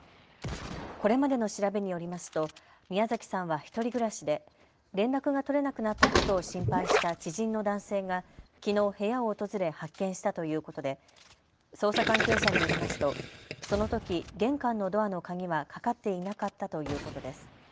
これまでの調べによりますと宮崎さんは１人暮らしで連絡が取れなくなったことを心配した知人の男性がきのう部屋を訪れ発見したということで捜査関係者によりますとそのとき玄関のドアの鍵はかかっていなかったということです。